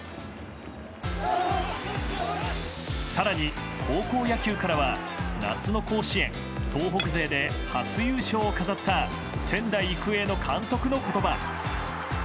更に高校野球からは夏の甲子園東北勢で初優勝を飾った仙台育英の監督の言葉。